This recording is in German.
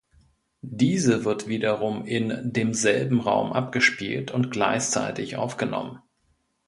Diese wird wiederum in demselben Raum abgespielt und gleichzeitig aufgenommen.